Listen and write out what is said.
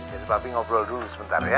jadi papi ngobrol dulu sebentar ya